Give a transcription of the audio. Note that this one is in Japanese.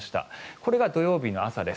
これが土曜日の朝です。